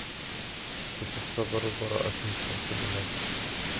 ستُختبر براءته في الوقت المناسب.